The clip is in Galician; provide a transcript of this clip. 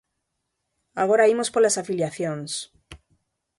Agora imos polas afiliacións.